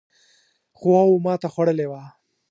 قواوو ماته خوړلې وه.